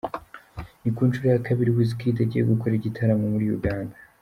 Ni ku nshuro ya kabiri Wizkid agiye gukorera igitaramo muri Uganda.